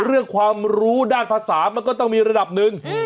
เรื่องความรู้ด้านภาษามันก็ต้องมีระดับหนึ่ง